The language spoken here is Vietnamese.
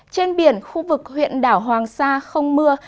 trên biển khu vực huyện đảo hoàng sa không mưa